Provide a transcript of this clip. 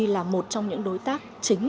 là một trong những đối tác chính